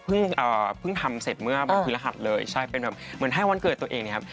เพิ่งทำเสร็จเมื่อวันพฤหัสเลยใช่เป็นแบบเหมือนให้วันเกิดตัวเองเนี่ยครับ